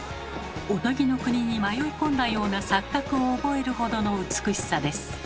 おとぎの国に迷い込んだような錯覚を覚えるほどの美しさです。